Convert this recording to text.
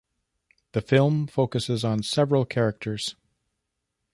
The film focuses on several characters.